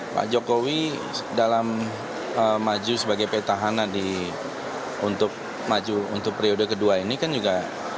pak jokowi dalam maju sebagai petahana untuk maju untuk periode kedua ini kan juga